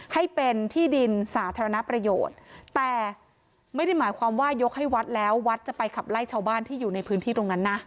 ให้เป็นที่ดินสาธารณประโยชน์แต่ไม่ได้หมายความว่ายกให้วัดแล้ววัดจะไปขับไล่ชาวบ้านที่อยู่ในพื้นที่ตรงนั้นนะ